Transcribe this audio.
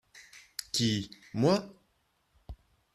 Qui ?- Moi.